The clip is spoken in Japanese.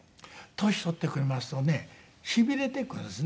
年取ってきますとね痺れてくるんですね。